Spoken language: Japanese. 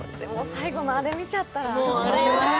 最後のあれ見ちゃったら。